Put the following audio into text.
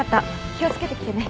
気を付けて来てね。